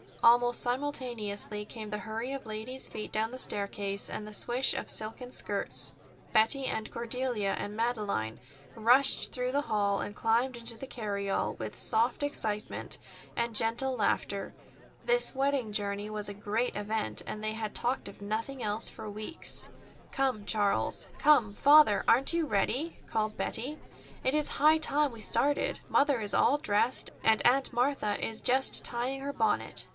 Almost simultaneously came the hurry of ladies' feet down the staircase, and the swish of silken skirts. Betty and Cordelia and Madeleine rushed through the hall and climbed into the carryall, with soft excitement and gentle laughter. This wedding journey was a great event, and they had talked of nothing else for weeks. "Come, Charles. Come, Father, aren't you ready?" called Betty. "It is high time we started. Mother is all dressed, and Aunt Martha is just tying her bonnet.